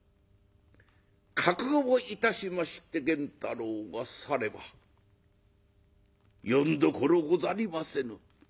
覚悟をいたしまして源太郎は「さればよんどころござりませぬ」。